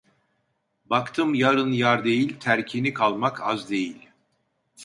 Baktın yarın yar değil, terkini kalmak az değil.